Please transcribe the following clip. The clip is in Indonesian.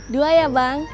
dua ya bang